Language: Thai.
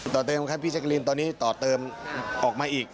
ต่อเติมครับพี่แจ๊กรีนตอนนี้ต่อเติมออกมาอีก